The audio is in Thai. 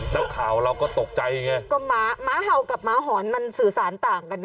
นักข่าวเราก็ตกใจไงก็ม้าม้าเห่ากับม้าหอนมันสื่อสารต่างกันนะ